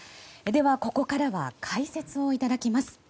ここからは解説をいただきます。